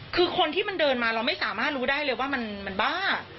คือคนที่มันเดินมาเราไม่สามารถรู้ได้เลยว่ามันบ้า